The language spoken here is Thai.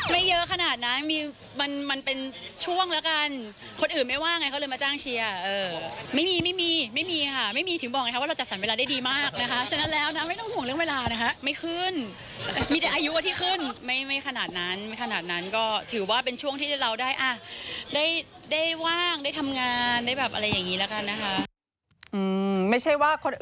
ไม่ใช่ว่าคนอื่นเขาไม่ว่างแล้วมาจ้างคุณเชียร์หรอก